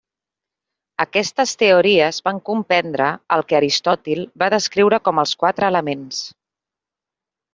Aquestes teories van comprendre el que Aristòtil va descriure com els quatre elements.